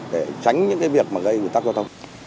để tránh những việc gây người ta giao thông